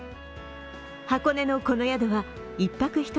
箱根のこの宿は、１泊１人